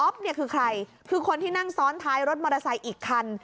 เนี่ยคือใครคือคนที่นั่งซ้อนท้ายรถมอเตอร์ไซค์อีกคัน